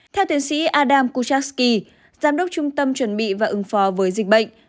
theo tiến sĩ adam kuchasky giám đốc trung tâm chuẩn bị và ứng phó với dịch bệnh